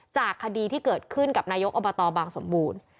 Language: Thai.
คดีที่เกิดขึ้นกับนายกอบตบางสมบูรณ์